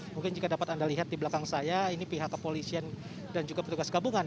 mungkin jika dapat anda lihat di belakang saya ini pihak kepolisian dan juga petugas gabungan